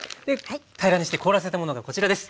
平らにして凍らせたものがこちらです。